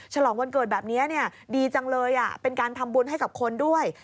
ฉลองวันเกิดแบบนี้ดีจังเลยเป็นการทำบุญให้กับคนด้วย